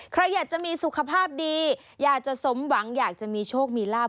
ใครอยากจะมีสุขภาพดีอยากจะสมหวังอยากจะมีโชคมีลาบ